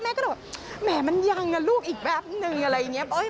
แม่มันยังลูกอีกแบบนึงอะไรอย่างเงี้ย